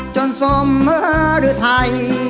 จนสมหรือไทย